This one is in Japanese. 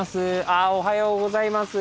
あおはようございます。